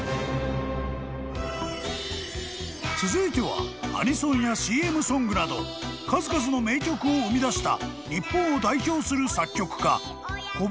［続いてはアニソンやＣＭソングなど数々の名曲を生みだした］